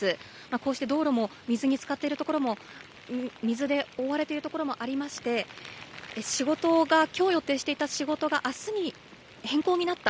こうして道路も水につかっているところも水で覆われている所もありまして、きょう予定していた仕事があすに変更になった。